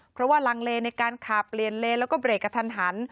เพราะว่าลังเลในการขับเปลี่ยนเลนแล้วก็เบรกกระทันหัน